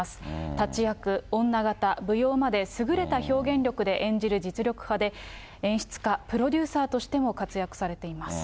立役、女形、舞踊まで優れた表現力で演じる実力派で、演出家、プロデューサーとしても活躍されています。